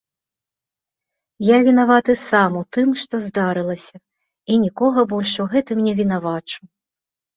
Я вінаваты сам у тым, што здарылася, і нікога больш у гэтым не вінавачу.